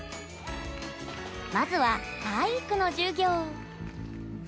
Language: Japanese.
まずは体育の授業。